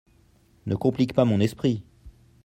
Ne compliques pas mon esprit.